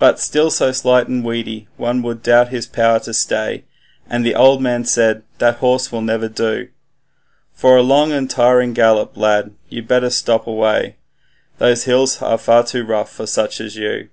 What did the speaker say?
But still so slight and weedy, one would doubt his power to stay, And the old man said, 'That horse will never do For a long and tiring gallop lad, you'd better stop away, Those hills are far too rough for such as you.'